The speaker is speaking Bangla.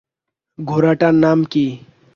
ঘোড়াটার নাম কী?